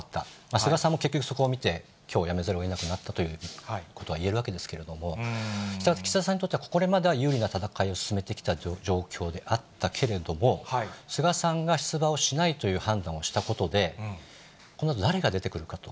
菅さんも結局、そこを見て、きょう、やめざるをえなくなったということはいえるわけですけれども、従って、岸田さんにとってはこれまで有利な戦いを進めてきた状況であったけれども、菅さんが出馬をしないという判断をしたことで、このあと誰が出てくるかと。